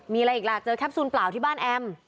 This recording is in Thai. มีอะไรอีกล่ะเจอแคปซูลเปล่าที่บ้านแอม